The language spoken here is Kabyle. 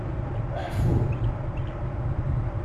Ḥfu.